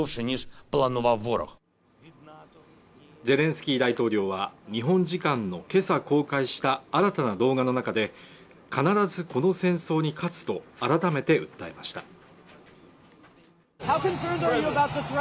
ゼレンスキー大統領は日本時間の今朝公開した新たな動画の中で必ずこの戦争に勝つと改めて訴えました